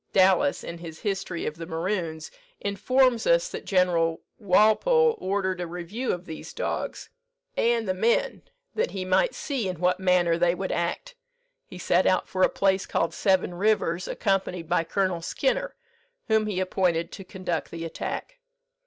Dallas, in his "History of the Maroons," informs us that General Walpole ordered a review of these dogs and the men, that he might see in what manner they would act. He set out for a place called Seven Rivers, accompanied by Colonel Skinner, whom he appointed to conduct the attack.